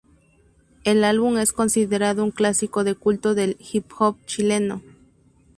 El álbum es considerado un clásico de culto del Hip hop Chileno.